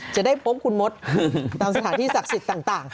จะได้พบคุณมดตามสถานที่ศักดิ์สิทธิ์ต่าง